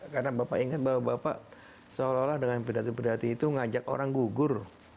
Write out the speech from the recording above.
karena bapak ingat bahwa bapak seolah olah dengan pedati pedati itu mengajak orang gugur